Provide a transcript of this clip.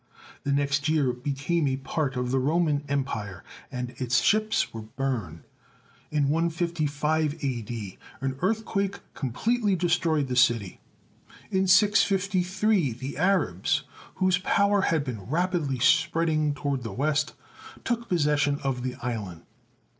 The next year it became a part of the Roman Empire, and its ships were burned. In 155 A.D., an earthquake completely destroyed the city. In 653 the Arabs, THE COLOSSUS OF RHODES 165 whose power had been rapidly spreading toward the west, took possession of the island.